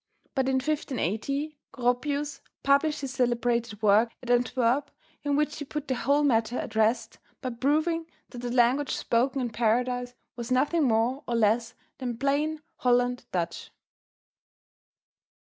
But in 1580, Goropius published his celebrated work at Antwerp, in which he put the whole matter at rest by proving that the language spoken in Paradise was nothing more or less than plain Holland Dutch.